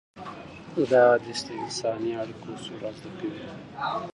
دا حديث د انساني اړيکو اصول رازده کوي.